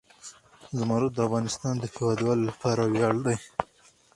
زمرد د افغانستان د هیوادوالو لپاره ویاړ دی.